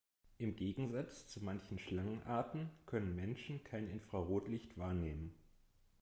Im Gegensatz zu manchen Schlangenarten können Menschen kein Infrarotlicht wahrnehmen.